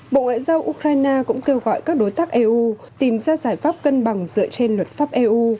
bộ ngoại giao ukraine cũng kêu gọi các đối tác eu tìm ra giải pháp cân bằng dựa trên luật pháp eu